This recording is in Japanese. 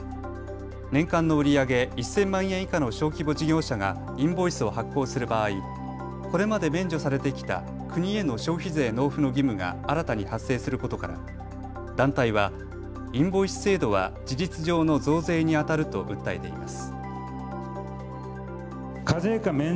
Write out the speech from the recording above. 年間の売り上げ１０００万円以下の小規模事業者がインボイスを発行する場合、これまで免除されてきた国への消費税納付の義務が新たに発生することから団体はインボイス制度は事実上の増税にあたると訴えています。